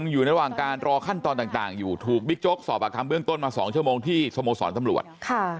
อยู่ระหว่างการรอขั้นตอนต่างอยู่ถูกบิ๊กโจ๊กสอบปากคำเบื้องต้นมา๒ชั่วโมงที่สโมสรตำรวจ